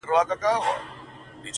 چي يو ځل بيا څوک په واه ،واه سي راته,